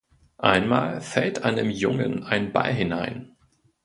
Einmal fällt einem Jungen ein Ball hinein.